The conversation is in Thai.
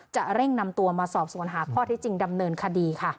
เร่งนำตัวมาสอบสวนหาข้อที่จริงดำเนินคดีค่ะ